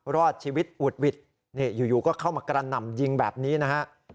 รอดชีวิตอุดหวิดนี่อยู่ก็เข้ามากระหน่ำยิงแบบนี้นะฮะ